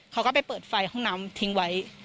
เขาก็ไปเปิดไฟห้องน้ำทิ้งไว้